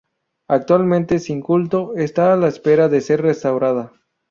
Actualmente, sin culto, está a la espera de ser restaurada.